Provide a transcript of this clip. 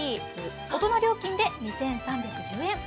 大人料金で２３１０円。